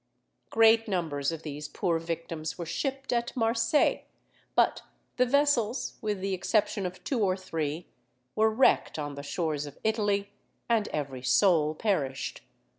Great numbers of these poor victims were shipped at Marseilles; but the vessels, with the exception of two or three, were wrecked on the shores of Italy, and every soul perished.